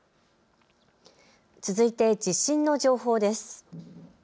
続いて地震の情報です。